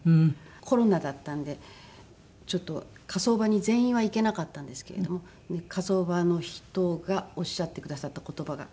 コロナだったんでちょっと火葬場に全員は行けなかったんですけれども火葬場の人がおっしゃってくださった言葉が。